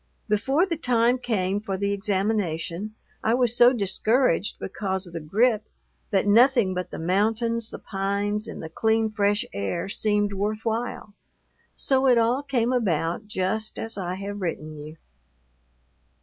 Before the time came for the examination I was so discouraged because of the grippe that nothing but the mountains, the pines, and the clean, fresh air seemed worth while; so it all came about just as I have written you.